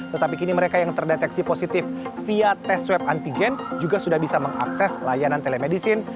tetapi kini mereka yang terdeteksi positif via tes swab antigen juga sudah bisa mengakses layanan telemedicine